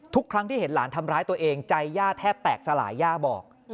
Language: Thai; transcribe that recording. ทุกครั้งที่เห็นหลานทำร้ายตัวเองใจย่าแทบแตกสลายย่าบอก